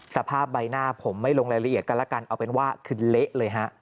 สภาพใบหน้าผมไม่ลงรายละเอียดกันแล้วกันเอาเป็นว่าคือเละเลยฮะ